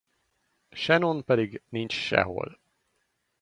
Shannon pedig nincs sehol.